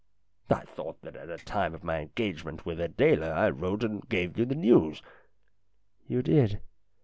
" I thought that at the time of my engage ment with Adela I wrote and gave you the news." "You did.